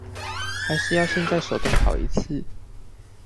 還是要現在手動跑一次